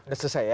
udah selesai ya